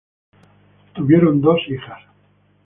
Tuvieron dos hijas.